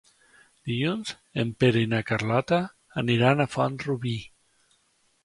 Dilluns en Pere i na Carlota aniran a Font-rubí.